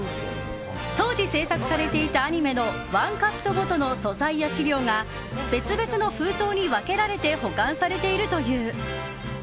当時、制作されていたアニメの１カットごとの素材や資料が別々の封筒に分けられて保管されているという。